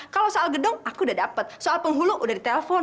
kalau soal gedung aku udah dapet soal penghulu udah ditelepon